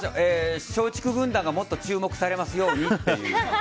松竹軍団がもっと注目されますようにと。